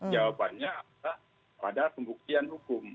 jawabannya pada pembuktian hukum